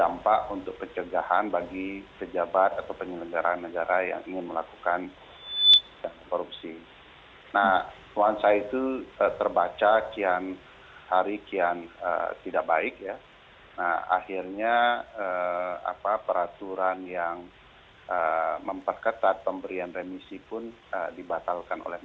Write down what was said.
mbak elvira beri dukungan di kolom komentar